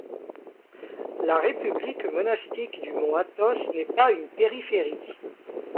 La République monastique du Mont-Athos n'est pas une périphérie.